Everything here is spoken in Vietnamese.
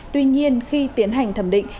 tuy nhiên khi tiến hành thẩm định